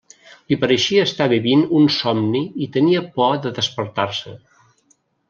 Li pareixia estar vivint un somni i tenia por de despertar-se.